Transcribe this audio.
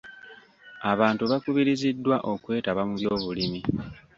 Abantu bakubiriziddwa okwetaba mu byobulimi.